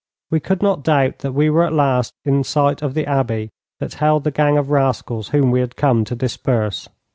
We could not doubt that we were at last in sight of the Abbey that held the gang of rascals whom we had come to disperse.